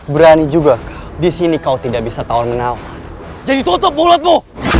berani juga di sini kau tidak bisa tawar menawan jadi tutup bulatmu